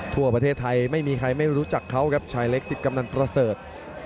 ทั่วประเทศไทยไม่มีใครไม่รู้จักเขาครับชายเล็กสิบกำนันประเสริฐ